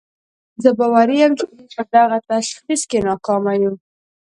زه باوري یم چې موږ په دغه تشخیص کې ناکامه یو.